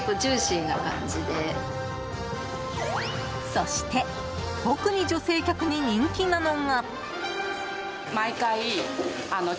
そして、特に女性客に人気なのが。